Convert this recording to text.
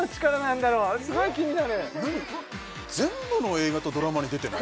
でも全部の映画とドラマに出てない？